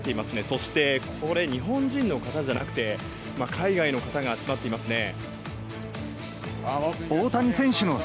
そして日本人の方じゃなくて海外の方が集まっていますね。